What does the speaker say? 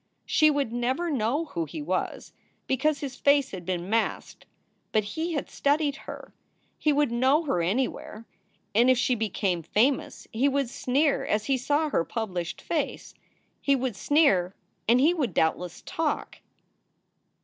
She would never know who he was, because his face had been masked. But he had studied her. He would know her anywhere, and if she became famous he would sneer as he saw her published face. He would sneer, and he would doubtless talk.